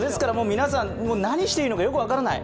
皆さん、何していいのかよく分からない。